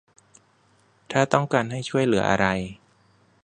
ถ้าต้องการให้ช่วยเหลืออะไร